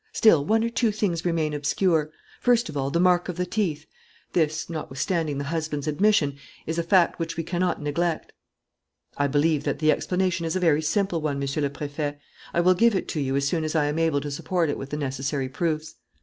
Still, one or two things remain obscure. First of all, the mark of the teeth. This, notwithstanding the husband's admission, is a fact which we cannot neglect." "I believe that the explanation is a very simple one, Monsieur le Préfet. I will give it to you as soon as I am able to support it with the necessary proofs."